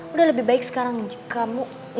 udah lebih baik sekarang kamu ngejauh aja dari boy aja ya